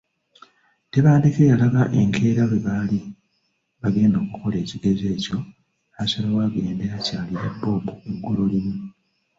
Tebandeke yalaba enkeera lwe baali bagenda okukola ekigezo ekyo n’asalawo agende akyalire Bob eggulolimu.